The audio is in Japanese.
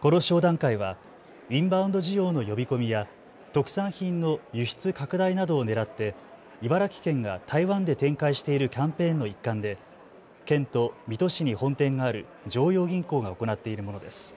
この商談会はインバウンド需要の呼び込みや特産品の輸出拡大などをねらって茨城県が台湾で展開しているキャンペーンの一環で県と水戸市に本店がある常陽銀行が行っているものです。